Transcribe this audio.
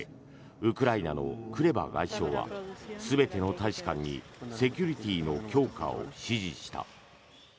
ウクライナのクレバ外相は全ての大使館にセキュリティーの強化を指示した。